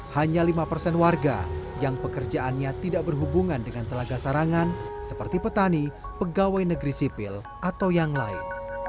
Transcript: hanya lima persen warga yang pekerjaannya tidak berhubungan dengan telaga sarangan seperti petani pegawai negeri sipil atau yang lain